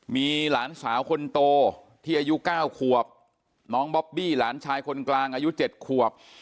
มีหลานสาวคนโตที่อายุ๙ขวบน้องบอบบี้หลานชายคนกลางอายุ๗ขวบ